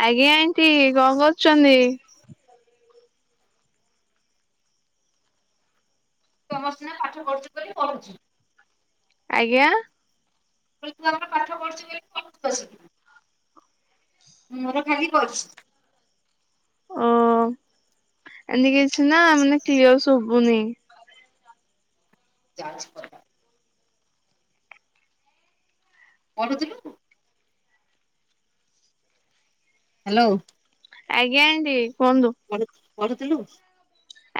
ଆଜ୍ଞା ଆଣ୍ଟି କଣ କରୁଛନ୍ତି? ତମର ସିନା ପାଠ ପଢୁଛ ବୋଲି ପଢୁଛି। ଆଜ୍ଞା। ବୋଲି ତୁ ଆ ପାଠ ପଢୁଚୁ ବୋଲି [unintelligible] ମୋର ଖାଲି। [unintelligible] ଓ ଆନି କିଛି ନା ମାନେ କ୍ଲିଅର ଶୁଭୁନି? [unintelligible] ପଢୁଥିଲୁ? ହ୍ୟାଲୋ। ଆଜ୍ଞା ଆଣ୍ଟି କୁହନ୍ତୁ। ପଢ ପଢ଼ୁଥିଲୁ?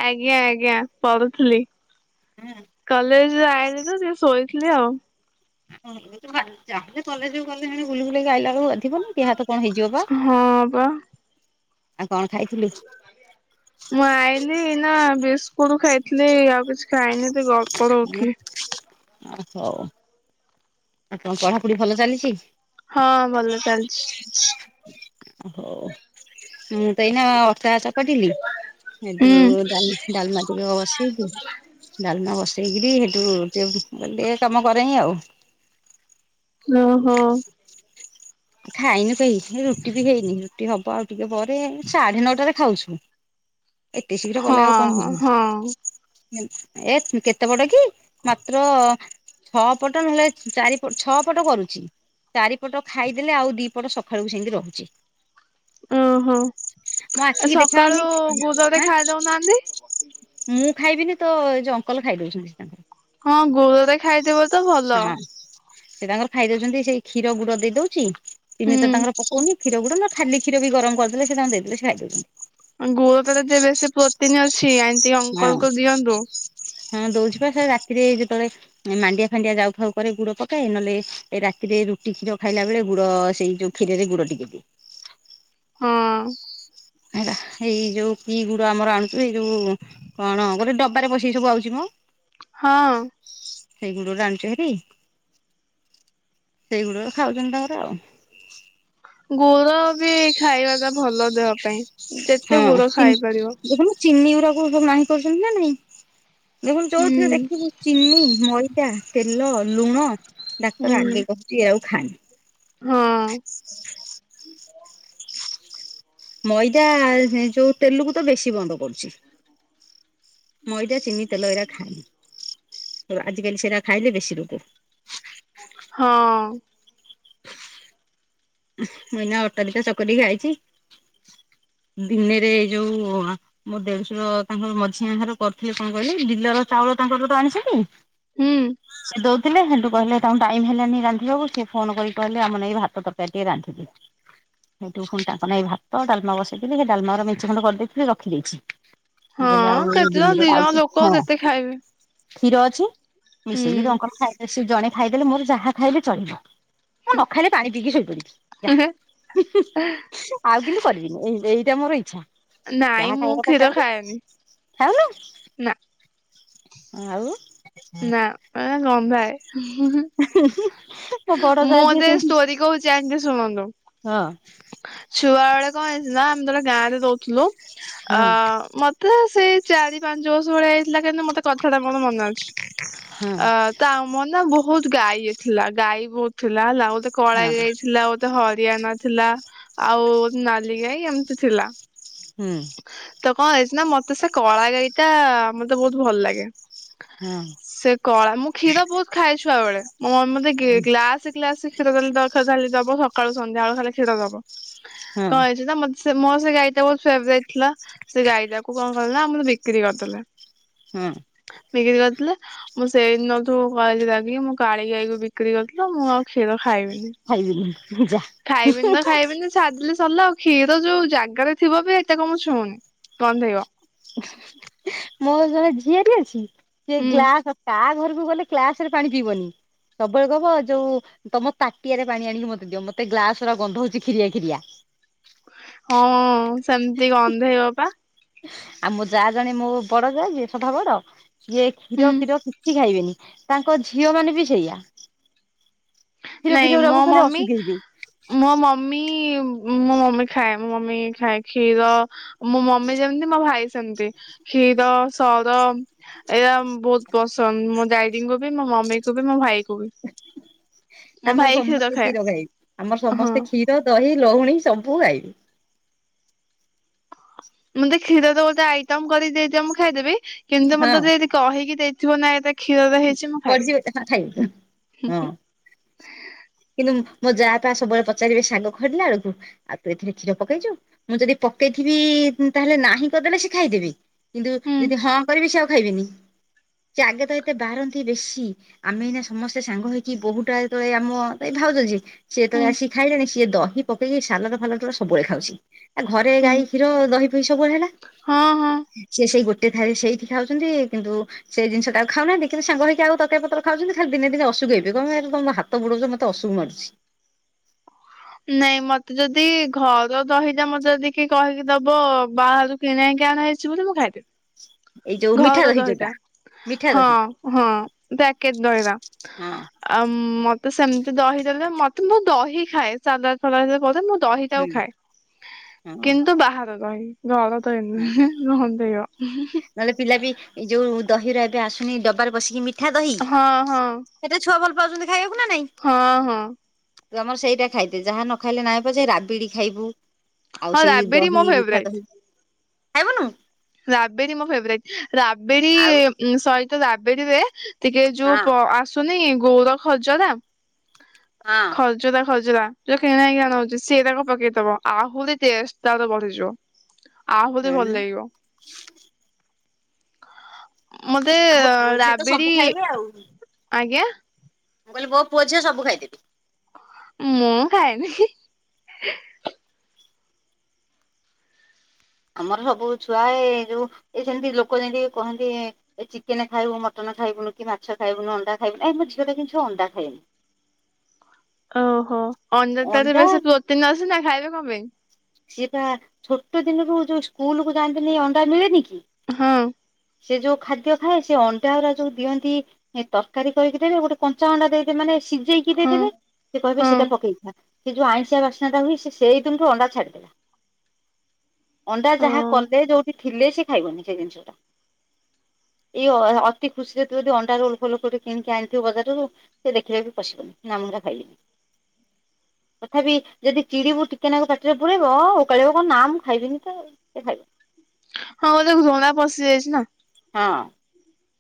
ଆଜ୍ଞା ଆଜ୍ଞା ପଢୁଥିଲି। କଲେଜ ରୁ ଆଇଲି ତ ସେ ଶୋଇ ଥିଲି ଆଉ। ଯାହା ହେଲେ କଲେଜ୍ କୁ ଗଲେ ହେଣେ ବୁଲି ବାଲିକି ଆଇଲା ବେଳକୁ ବାଧିବନି। ଦିହ ହାତ କଣ ହେଇଯିବ ପା। ହଁ ପା ଆଉ କଣ ଖାଇଥିଲୁ? ମୁଁ ଆଇଲିି ଏଇନା ବିସ୍କୁଟ ଖାଇଥିଲି ଆଉ କିଛି ଖାଇନି ଏଇଠି ଗ ଆ ହଉ। ଆଉ କଣ ପଢାପଢି ଭଲ ଚାଲିଚି? ହଁ ଭଲ ଚାଲିଚି। ହଉ। ମୁଁ ତ ଏଇନା ଅଟା ଚକଟି ଟିଲି, ହେଠୁ ହୁଁ ଡ଼ାଲମା ଟିକକ ବସେଇଲି। ଡାଲମା ବସେଇକିରି ସେଠୁ [unintelligible] କାମ କରେଇ ଆଉ। ଓ ହଁ। [inaudible] ଖାଇନୁ କେହି, ରୁଟି ବି ହେଇନି। ରୁଟି ହବ ଆଉ ଟିକେ ପରେ ସାଢେ ନଅଟାରେ ଖାଉଚୁ। ଏତେ ଶୀଘ୍ର କଲେ ଆଉ କଣ ହଁ ହବ। ହଁ। ଏ କେତେ ପଟ କି ମାତ୍ର ଛଅ ପଟ ନହେଲେ ଚାରିପ ଛଅ ପଟ କରୁଚି। ଚାରିପଟ ଖାଇ ଦେଲେ ଆଉ ଦି ପଟ ସକାଳ କୁ ସେମିତି ରହୁଚି। ଓହୋ ମୁଁ ଆଖିକି ଦେଖା ସକାଳୁ ଯାଉନି। ଗୁଡରେ ଆଁ ଖାଇ ଦଉନାହାନ୍ତି। ମୁଁ ଖାଇବିନି ତ ଏ ଯଉ ଅଙ୍କଲ ଖାଇବେ। [unintelligible] ହଁ ଗୁଡ ରେ ଖାଇଦବ ତ ଭଲ। ହଁ ସେ ତାଙ୍କର ଖାଇଦଉଛନ୍ତି। ସେଇ କ୍ଷୀର ଗୁଡ ଦେଇଦଉଚି, ଚିନି ତ ହୁଁ ତାଙ୍କର ପକଉନି କ୍ଷୀର ଗୁଡ ନହେଲେ ଖାଲି କ୍ଷୀର ବି ଗରମ କରିଦେଲେ ସେ ତାଙ୍କୁ ଦେଇଦେଲେ ସେ ଖାଇଦଉଛନ୍ତି। ଗୁଡ ଟାରେ ବେଶି ପ୍ରୋଟିନ ଅଛି। ହଁ। ଅଙ୍କଲ କୁ ଦିଅନ୍ତୁ। ହଁ ଦଉଚି ପା ସେ ରାତିରେ ଯେତେବେଳେ ମାଣ୍ଡିଆ ଫାଣ୍ଡିଆ ଯାଉ ଫାଉ କରେ ଗୁଡ ପକାଏ। ନହେଲେ ରାତିରେ ରୁଟି କ୍ଷୀର ଖାଇଲା ବେଳେ ଗୁଡ ସେଇ ଯୋଉ କ୍ଷୀର ରେ ଗୁଡ଼ ଟିକେ ଦିଏ। ହଁ। ହେଇ ଯୋଉ କି ଗୁଡ ଆମର ଆଣୁଚୁ ଏଇ ଯୋଉ କଣ ଗୋଟେ ଡବାରେ ପସିକି ସବୁ ଆଉଚି ମ। ହଁ। ସେଇଗୁଡରୁ ଆଣୁଚୁ ଭାରି। ସେଇଗୁଡ ଗୁରା ଖାଉଛନ୍ତି ତାଙ୍କର ଆଉ। ଗୁଡ ବି ଖାଇବାଟା ଭଲ ଦେହ ପାଇଁ। ଯେତେ ଗୁଡ ହଁ ଖାଇପାରିବ। ଦେଖୁନୁ ଚିନି ଗୁରା ସବୁ ନାହିଁ କରିଛନ୍ତି ନା ନାଇଁ। ଦେଖୁନୁ ଯୋଉଥିରେ ହୁଁ ଦେଖିବୁ ଚିନି, ମଇଦା, ତେଲ, ଲୁଣ ହୁଁ ଡାକ୍ତର ଆଗେ କହୁଚି ଏରାକୁ ଖାଆନି। ହଁ। ମଇଦା ଏ ଯୋଉ ତେଲକୁ ତ ବେଶୀ ବନ୍ଦ କରୁଚି। ମଇଦା, ଚିନି, ତେଲ ଏଇରା ଖାଆନି। ଆଜିକାଲି ସେଇରା ଖାଇଲେ ବେଶୀ ରୋଗ। ହଁ। ମୁଁ ଏଇନା ଅଟା ଦିଟା ଚକଟିକି ଆଇଚି। ଦିନେରେ ଏଇ ଯୋଉ ମୋ ଦେଡସୁର ତାଙ୍କର ମଝିଆ ଘର କରୁଥିଲି କଣ କହିଲି ଡିଲର ଚାଉଳ ତାଙ୍କର ତ ଆଣିଛନ୍ତି ହୁଁ ସେ। [unintelligible] ହେଲେ ହେଠୁ କହିଲେ ତାଙ୍କୁ ଟାଇମ୍ ହେଲାନି ରାନ୍ଧିବାକୁ ସିଏ ଫୋନ କରିକି କହିଲେ ଆମ ଲାଗି ଭାତ ତରକାରୀ ଟିକଏ ରାନ୍ଧିଦିଅ। ହେଠୁ ପୁଣି ତାଙ୍କ ନାଗି ଭାତ ଡାଲ୍ମା ବସେଇଥିଲି ସେ ଡାଲ୍ମା ର ମେନ୍ଚେ ଖଣ୍ଡ କରିଦେଇଥିଲି ରଖିଦେଇଛି। ମୁଁ କହିଲି ହଁ ଆଉ କେତେ ଜଣ ଦ ଦି ଜଣ ଆଉ ଲୋକ ହଁ କେତେ ଖାଇବେ କ୍ଷୀର ଅଛି ମିଶେଇକି ହୁଁ ତାଙ୍କର ଖାଇଲେ ଜଣେ ଖାଇଦେଲେ ମୋର ଯାହା ଖାଇଲେ ଚଳିବ। ଆଁ ନ ଖାଇଲେ ପାଣି ପିଇକି ଶୋଇପଡିବି ଯା ହୁଁ ହୁଁ ଆଉ କିନ୍ତୁ କରିବିନି ଏଇଟା ମୋର ଇଚ୍ଛା। ନାଇଁ ଯାହା ମୁଁ ଖାଇବା କଥା କ୍ଷୀର ଖାଆନ୍ତୁ ଖାଏନି ଖଉନ ନା ଆଉ ନା ଗମ୍ ଭାଏ ହୁଁ ହୁଁ ମୋ ବଡ ହୁଁ ଯା ମୁଁ ଯିଏ ତେ ସେମିତି ଷ୍ଟୋରି କହୁଛି [unintelligible] ଶୁଣନ୍ତୁ ହଁ ଛୁଆ ବେଳେ କଣ ହେଇଛି ନା ଆମେ ଯେତେବେଳେ ଗାଁ ରେ ଦଉଥିଲୁ ହଁ ଆ ମତେ ସେଇ ଚାରି ପାଞ୍ଚ ବର୍ଷ ଭେଳିଆ ହେଇଥିଲା କିନ୍ତୁ ମତେ କଥାଟା ମୋର ମନେ ଅଛି। ହୁଁ ଅ ତ ଆମର ନା ବହୁତ ଗାଈ ଥିଲା ଗାଈ ବହୁତ ଥିଲା ହେଲା ମତେ କଳା ହଁ ଗଈ ଥି ଥିଲା ଗୋତେ ହରିୟାଣା ଥିଲା ଆଉ ନାଲିଗାଈ ଏମିତି ଥିଲା ହୁଁ ତ କଣ ହେଇଛି ନା ମତେ ସେ କଳା ଗାଈ ଟା ମତେ ବହୁତ ଭଲ ଲାଗେ। ହଁ ସେ କଳା ମୁଁ କ୍ଷୀର ବହୁତ୍ ଖାଇଛୁଆ ବେଳେ ମୋ ମମି ମତେ ଗି-ଗା-ଗ୍ଲାସେ ଗ୍ଲସେ କ୍ଷୀରଦେଲି ଦବ ସକାଳୁ ସନ୍ଧ୍ୟାବେଳୁ ଖାଲୁ କ୍ଷୀର ଦବ ହଁ କଣ ହେଇଛି ତ ମତେ ସେ ମୋର ସେ ଗାଈଟା ବହୁତ ଫେବରାଇଟ୍ ଥିଲା ସେ ଗାଈଟାକୁ କଣ କଲେ ନା ଆମର ବିକ୍ରି କରିଦେଲେ। ହୁଁ। ବିକ୍ରି କରିଦେଲେ ମୁଁ ସେଇଦିନଠୁ କ ଲଗି ମୁଁ କାଳି ଗାଈକୁ ବିକ୍ରି କରିଦେଲ ମୁଁ ଆଉ କ୍ଷୀର ଖାଇବିନି ଖାଇବିନି ଯା ଖାଇବିନି ତ ଖାଇବିନି ଛାଡ଼ିଦେଲି ସରିଲା ଆଉ କ୍ଷୀର ଯୋଉ ଜାଗାରେ ଥିବ ବି ଏତେ କ ମୁଁ ଛୁଉନି ଗନ୍ଧେଇବ ମୋର ଜଣେ ଝିଆରି ଅଛି, ସେ ହୁଁ ଗ୍ଲାସ ତା ଘରକୁ ଗଲେ କ୍ଲାସ ରେ ପାଣି ପିଇବନି ସବୁବେଳେ କହିବ ଯୋଉ ତମ ତାଟିଆରେ ପାଣି ଆଣିକି ମତେ ଦିଅ ମତେ ଗ୍ଲାସ୍ ର ଗନ୍ଧ ହଉଛି ଖିରିଆ ଖିରିଆ। ହଁ ସେମିତି ଗନ୍ଧେଇବ ପା। ଆଉ ମୋ ଜା ଜଣେ ମୋ ବଡ ଜା ଯିଏ ସଭା ବଡ଼ ସିଏ ହୁଁ। କ୍ଷୀର ଫିର କିଛି ଖାଇବେନି ତାଙ୍କ ଝିଅ ମାନେ ବି ସେଇଆ। କ୍ଷୀର ନାଇଁ ଫିର ମୋ ରକୁ ଖାଲି ମମି [unintelligible] ମୋ ମମି ମୋ ମମି ଖାଏ ମୋ ମମି ଖାଏ କ୍ଷୀର। ମୋ ମମି ଯେମିତି ମୋ ଭାଇ ସେମତି କ୍ଷୀର ସର ଏୟା ବହୁତ ପସ ମୋ ଡାଡିଙ୍କୁୁ ବି ମୋ ମମି କୁ ବି ମୋ ଭାଇ କୁ ବି। ମୋ ଆମର ଭାଇ ସମସ୍ତେ ଖାଏ କ୍ଷୀର ଖାଇବେ। ଆମର ହଁ ସମସ୍ତେ କ୍ଷୀର ଦହି ଲହୁଣୀ ସବୁ ଖାଇବେ। ମଁତେ କ୍ଷୀର ରେ ଗୋଟେ ଆଇଟମ କରି ଦେଇଦଅ ମୁଁ ଖାଇଦେବି କିନ୍ତୁ ହଁ ମତେ ଏଦି କହିକି ଦେଇଥିବ ନା କ୍ଷୀର ତ ହେଇଛି ମୁଁ ପଡିଯିବ ହଁ ଖାଇବେ ହଁ। ଖାଇବିନି। କିନ୍ତୁ ମୋ ଜା ପା ସବୁବେଳେ ପଚାରିବେ ସାଗ ଖଡିଲା ବେଳକୁ। ଆଉ ତୁ ଏଥିରେ କ୍ଷୀର ପକେଇଛୁ ମୁଁ ଯଦି ପକେଇଥିବି ତାହେଲେ ନାହିଁ କରିଦେଲେ ସେ ଖାଇଦେବି। କିନ୍ତୁ ହୁଁ ଯଦି ହଁ କରିବି ସେ ଆଉ ଖାଇବିନି ସେ ଆଗେ ତ ଏତେ ବାରାନ୍ତି ବେଶୀ ଆମେ ଏଇନା ସମସ୍ତେ ସାଙ୍ଗ ହେଇକି ବୋହୁଟା ତଳେ ଆମ ଏ ଭାଉଜ ଯିଏ ସିଏ ତଳେ ହୁଁ ଆସିି ଖାଇଲେଣି ସିଏ ଦହି ପକେଇକି ସାଲଟ ଫାଲଟ ଗୁରା ସବୁବେଳେ ଖାଉଛି। ଆ ଘରେ ହୁଁ ଗାଈ କ୍ଷୀର ଦହି ପହି ସବୁବେଳେ ହେଲା। ହଁ ହଁ ସିଏ ସେଇ ଗୋଟେ ଥାଲିରେ ସେଇଠି ଖାଉଛନ୍ତି କିନ୍ତୁ ସେ ଜିନିଷ ଟାକୁ ଖାଉନାହାଁନ୍ତିି କେନ୍ତୀ ସାଙ୍ଗ ହେକି ଆଉ ତରକାରୀ ପତ୍ର ଖାଉଛନ୍ତି। ଖାଲି ଦିନେ ଦିନେ। [unintelligible] ତମେ ହାତ ବୁଡାଉଛ ମତେ ଅଶୁଭ ମାଡୁଚି। ନାଇଁ ମତେ ଯଦି ଘର ଦହିଟା ମତେ ଯଦିକି କହିକି ଦବ ବାହାରୁ କିଣା ହେଇକି ଅଣାହେଇଚି ବୋଲି ମୁଁ ଖାଇବି। ଏଇ ଯୋଉ ମିଠା ଘର ଦହି ଦହିଟା ଯୋଉଟା ମିଠା ଦହି ହଁ-ହଁ ପ୍ୟାକେଟ ଦହିବା। ହଁ ଆ ମତେ ସେମିତି ଦହି ଦେଲେ ମତେ ମୁଁ ଦହି ଖାଏ ସାଲାଡ ଫଲାଡ଼ ହୁଁ ଦହିଟାକୁ ଖାଏ, ହଁ କିନ୍ତୁ ବାହାର ଦହି। ଘର ଦହି ହୁଁ ନୁହେଁ, ଗନ୍ଧେଇବ। ଉଁ ହୁଁ ହୁଁ। ନହେଲେ ପିଲା ବି ଏଇ ଯୋଉ ଦହିର ଏବେ ଆସୁନି ଡବାରେ ବସିକି ମିଠା ଦହି ହଁ ସେଥିପାଇଁ ଛୁଆ ଭଲପାଉଛନ୍ତି ଖାଇଆକୁ ନା ନାଇଁ। ହଁ-ହଁ। ତୁ ଆମର ସେଇଟା ଖାଇଦେ। ଯାହା ନ ଖାଇଲେ ନାଇଁ ପଛେ ରାବିଡି ଖାଇବୁ ଆଉ ହଁ ସେଇ ରାବିଡି ମୋ ଦହି ମିଠା ଫେବରାଇଟ। ଦହି, ଖାଇବୁନୁ? ରାବିଡି ମୋ ଫେବରାଇଟ। ରାବିଡ଼ି ଆଉ ସହିତ ରାବିଡିରେ ଟିକେ ଯୋଉ ହଁ ପ ଆସୁନି ଗୋର ଖଜରା ହଁ ଖଜ ଖଜରା ଖଜରା। ଯୋଉ କିଣା ହେଇକି ଅଣା ହଉଚି ସେଇରାକ ପକେଇଦବ, ଆହୁରି ଟେଷ୍ଟ ତାର ବଢିଯିବ। ଆହୁରି ଭଲ ହୁଁ ଲାଗିବ। ମତେ ଆଉ ମୋ ପୁଅ ଝିଅ ତ ରାବିଡ଼ି, ସବୁ ଖାଇବେ ଆଉ ଆଜ୍ଞା? ମୁଁ କହିଲି ମୋ ପୁଅ ଝିଅ ସବୁ ଖାଇଦେବେ। ମୁଁ ଖାଏନି। ଆମର ସବୁ ଛୁଆ ଏ ଯୋଉ ଏ ସେମତି ଲୋକ ଯେମତି କହନ୍ତି ଏ ଚିକେନ ଖାଇବୁ, ମଟନ ଖାଇବୁନୁ, କି ମାଛ ଖାଇବୁନୁ, ଅଣ୍ଡା ଖାଇବୁନୁ, ଏ ମୋ ଝିଅଟା ତ କିଛି ଅଣ୍ଡା ଖାଏନି। ଓହୋ। ଅଣ୍ଡାଟାରେ ଅଣ୍ଡା ବେସି ପ୍ରୋଟିନ ଅଛି ନା ଖାଇବେ କଣ ପାଇଁ? ସିଏ ବା, ଛୋଟ ଦିନରୁ ଯୋଉ ସ୍କୁଲକୁ ଯାଆନ୍ତିନି ଅଣ୍ଡା ମିଳେନି କି ହଁ। ସିଏ ଯୋଉ ଖାଦ୍ୟ ଖାଏ, ସେ ଅଣ୍ଡା ଗୁରା ଯୋଉ ଦିଅନ୍ତି ଏ ତରକାରୀ କରିକି ଦେବେ, ଗୋଟେ କଞ୍ଚା ଅଣ୍ଡା ଦେଇଦେବେ ମାନେ ସିଝେଇକି ସିଜେଇକି ହଁ ଦେଇଦେବେ, ସେ କହିବେ ସେଇଟା ହଁ। ପକେଇକି ଖା। ସେ ଯୋଉ ଆଇଁଷିଆ ବାସ୍ନାଟା ହୁଏ ସେ ସେଇଦିନଠୁ ଅଣ୍ଡା ଛାଡେ ଅଣ୍ଡା ଓ ଯାହା କଲେ, ଯୋଉଠି ଥିଲେ, ସେ ଖାଇବନି ସେ ଜିନିଷଟା। ଇଏ ଅ-ଅତି ଖୁସିରେ ଥିବ ଯଦି ଅଣ୍ଡା ରୋଲ୍ ଫୋଲ କୋଉଠି କିଣିକି ଆଣିଥିବ ବଜାରରୁୁ ସେ ଦେଖିଲେ ବି ପଶିବନି, ନା ମୁଁ ହେଇରା ଖାଇବିନି। ତଥାପି ଯଦି ଚିଡିବୁ ଟିକେନାକୁ ପାଟିରେ ପୂରେଇବ, ଓକାଳିବ କହିବ ନା ମୁଁ ଖାଇବିନି ତ ଆଉ ଖାଇବ। ହଉଁ ଲୋ ଘୃଣା ପଶି ଯାଇଛି ନା ହଁ।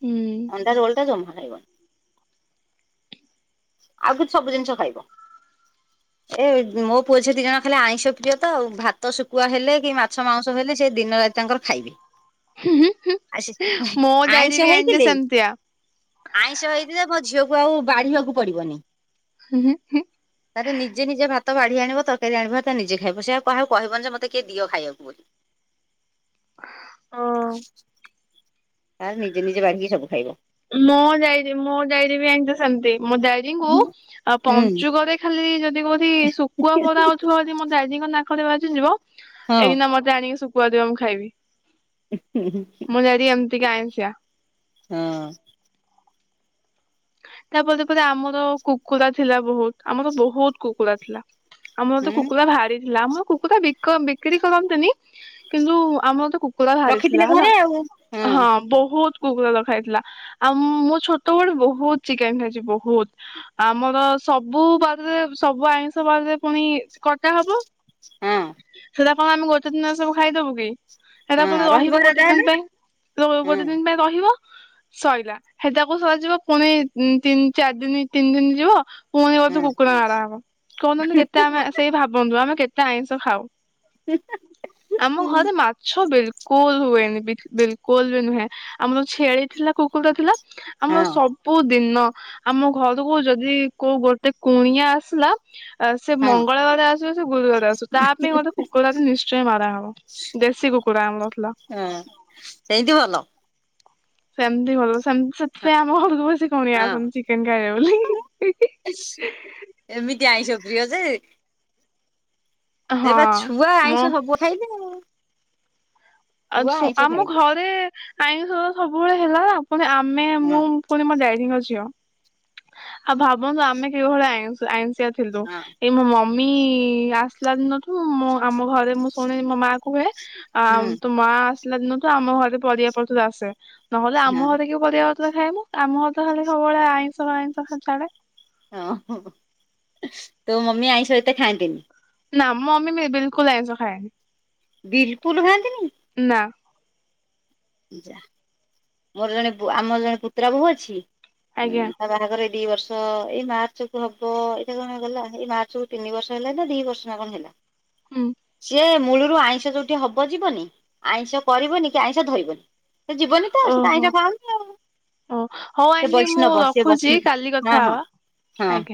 ହୁଁ ଅଣ୍ଡା ରୋଲଟା ଜମା ଖାଇବନି। ଆଉ କିଛି ସବୁ ଜିନିଷ ଖାଇବ। ଏ ମୋ ପୁଅ ଝିଅ ଦିଜଣ ଖାଲି ଆଇଁଷ ପ୍ରିୟ ତ ଆଉ। ଭାତ ଶୁଖୁଆ ହେଲେ, କି ମାଛ ମାଉଂସ ହେଲେ, ସେ ଦିନ ରାତି ତାଙ୍କର ଖାଇବେ। ହୁଁ ହୁଁ ହୁଁ। ଆଉ ସେ ମୋ ଆଇଁଷ ଦାଡ଼ି ବି ଆଜ୍ଞା ହେଇଥିଲେ ସେମିତିଆ। ଆଇଁଷ ହେଇଥିଲେ ମୋ ଝିଅକୁ ଆଉ ବାଢ଼ିବାକୁ ପଡ଼ିବନି। ହୁଁ-ହୁଁ-ହିଁ। ତାରେ ନିଜେ ନିଜେ ଭାତ ବାଢ଼ି ଆଣିବ, ତରକାରୀ ଆଣିବ ହାରି ତା ନିଜେ ଖାଇବ। ସେ ଆଉ କାହାକୁ କହିବନି ଯେ ମୋତେ କିଏ ଦିଅ ଖାଇବାକୁ ବୋଲି। ଓ। ତାର ନିଜେ ନିଜେ ବାଢ଼ିକି ସବୁ ଖାଇବ। ମୋ ଡାଡି ମୋ ଡାଡି ବିଜାଣିଚ ସେମତି। ମୋ ଡାଡିଙ୍କୁ ହୁଁ ଆ ପଞ୍ଚୁକରେ ଖାଲି ଯଦି କୋଉଠି ଶୁଖୁଆ ପୋଡ଼ା ହଉଥିବ ଯଦି ମୋ ଡାଡି ଙ୍କ ନାକରେ ବାଜି ଯିବ, ହଁ ଏଇନା ମତେ ତେ ଆଣିକି ଶୁଖୁଆ ଦିଅ ମୁଁ ଖାଇବି। ଉଁ ହୁଁ ହୁଁ। ମୋ ଡାଡି ଏମତିିକା ଆଇଁଷିଆ। ହଁ। ତାପରେ ପରେ ଆମର କୁକୁଡ଼ା ଥିଲା ବହୁତ। ଆମର ବହୁତ କୁକୁଡ଼ା ଥିଲା। ଆମର ତ ହଁ କୁକୁଡ଼ା ଭାରି ଥିଲା ଆମର କୁକୁ ବିକ ବିକ୍ରି କରନ୍ତିନି କିନ୍ତୁ ଆମର ତ କୁକୁଡ଼ା ଭାରି ଥିଲା ରଖିଥିଲେ ହେଲା ଘରେ ଆଉ ହଁ ବହୁତ କୁକୁଡ଼ା ରଖାହେଇଥିଲା ଆଉ ମୋ ଛୋଟ ବଳେ ବହୁତ ଚିକେନ ଖାଇଛି ବହୁତ। ଆମର ସବୁ ବାରରେ ସବୁ ଆଇଁଷ ବାରରେ ପୁଣି କଟା ହବ। ହଁ ସେଟା କଣ ଆମେ ଗୋଟେ ଦିନରେ ସବୁ ଖାଇଦବୁ କି। ସେଇଟା ହଁ ପୁଣି ରହିବ ହେରା ଗୋଟେ ଦିନ ଯାହେଲେ ପାଇଁ ହଁ ଗୋଟେ ଦିନ ପାଇଁ ରହିବ ସରିଲା ହେଟାକୁ ସରିବ ପୁଣି ତିନି ଚାରି ଦିନ ତିନି ଦିନ ଯିବ ପୁଣି ଗୋଟେ ହଁ କୁକୁଡ଼ା ମାରା ହବ କୁହନ୍ତୁ କେତେ ଆମେ ସେଇ ଭାବନ୍ତୁ ଆମେ କେତେ ଆଇଁଷ ଖାଉ। ଆମ ଘରେ ମାଛ ବି ବିଲକୁଲ ହୁଏନି ବିଲକୁଲ ବି ନୁହେଁ ଆମର ଛେଳି ଥିଲା କୁକୁଡ଼ା ଥିଲା ଆମର ହଁ ସବୁ ଦିନ ଆମ ଘରକୁ ଯଦି କୋଉ ଗୋଟେ କୁଣିଆ ଆସିଲା ସେ ହଁ ମଙ୍ଗଳବାର ଆସୁ ସେ ଗୁରୁବାର ଆସୁ ତା ପାଇଁ ମୋତେ କୁକୁଡ଼ା ଟି ନିଶ୍ଚୟ ମାରାହବ। ଦେଶୀ କୁକୁଡ଼ା ଆମର ଥିଲା। ହଁ ସେମିତି ଭଲ। ସେମିତି ଭଲ ସେମିତି ସେଥିପାଇଁ ଆମ ଘରକୁ ବିକ କୁଣିଆ ହଁ ଆସନ୍ତି ଚିକେନ ଖାଇବେ ବୋଲି। ଏମିତି ଆଇଁଷ ପ୍ରିୟ ଯେ ଏ ହଁ ବା ଛୁଆ ମୋ ଆଇଁଷ ସବୁ ଖାଇଲେ ଆଉ। ଛୁଆ ଆଉ ଆଇଁଷ ଆମ ଖାଇଲେ ଘରେ ଆଇଁଷ ସବୁବେଳେ ହେଲା ପୁଣି ଆମେ ହଁ ମୁଁ ପୁଣି ମୋ ଡାଡିଙ୍କ ଝିଅ। ଆଉ ଭାବନ୍ତୁ ଆମେ କିଭଳିଆ ଆଇ ଆଇଁଷିଆ ଥିଲୁ ହଁ ଏଇ ମୋ ମ ମମି ଆସିଲା ଦିନଠୁ, ମୁଁ ଆମ ଘରେ ମୁଁ ଶୁଣି ମୋ ମା କୁହେ। ଆ ହୁଁ ତୋ ମା ଆସିଲା ଦିନଠୁ ଆମ ଘରେ ପରିବାପତ୍ର ଆସେ। ନହେଲେ ହଁ ଆମ ଘରେ କି ମୁଁ ପରିବାପତ୍ର ତ ଖାଏନି, ଆମ ଘରେ ଖାଲି ସବୁବେଳେ ଆଇଁଷ ଆଇଁଷ ଖାଲି ଚାଲେ- ଓହୋ, ତୋ ମମି ଆଇଁଷ ହେତେ ଖାଆନ୍ତିନି? ନା, ମୋ ମମି ବିଲକୁଲ ଆଇଁଷ ଖାଏନି। ବିଲକୁଲ ଖାନ୍ତିନି। ନା। ଯା, ମୋର ଜଣେ ଆମର ଜଣେ ପୁତ୍ର ବୋହୂ ଅଛି। ହୁଁ, ଆଜ୍ଞା ତା ବାହାଘର ଏଇ ଦି ବର୍ଷ ତ ଏଇ ମାର୍ଚ୍ଚ କୁ ହବ ଏଇଟା କଣ ଗଲା ଏଇ ମାର୍ଚ୍ଚ କୁ ତିନି ବର୍ଷ ହେଲା ନା ଦି ବର୍ଷ ନା କଣ ହେଲା। ହୁଁ ଏ ମୂଳରୁ ଆଇଁଷ ଯୋଉଠି ହବ ଯିବନି, ଆଇଁଷ କରିବନି, କି ଆଇଁଷ ଧରିବନି। ସେ ଯିବନି ତ ସେ ଓହୋ ଆଇଁଷ ଖାଉନି ଆଉ। ଓ ହଉ ସେ ଆଣ୍ଟି ମୁଁ ବୈଷ୍ଣବ ସେ ରଖୁଛି ବୈଷ୍ଣ କାଲି କଥା ହଁ, ହଁ, ହବା ହଁ, ଆଜ୍ଞା।